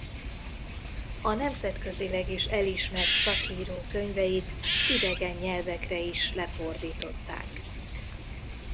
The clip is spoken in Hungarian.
A nemzetközileg is elismert szakíró könyveit idegen nyelvekre is lefordították.